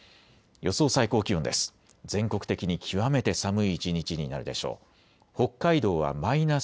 予想最高気温です。